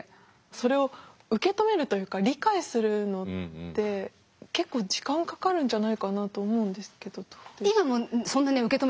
それを受け止めるというか理解するのって結構時間かかるんじゃないかなと思うんですけど？